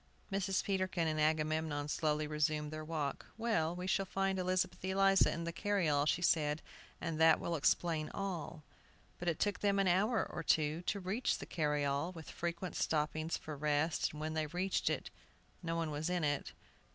Mrs. Peterkin and Agamemnon slowly resumed their walk. "Well, we shall find Elizabeth Eliza in the carryall," she said, "and that will explain all." But it took them an hour or two to reach the carryall, with frequent stoppings for rest, and when they reached it, no one was in it.